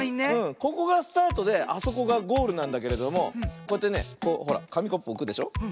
ここがスタートであそこがゴールなんだけれどもこうやってねこうほらかみコップおくでしょ。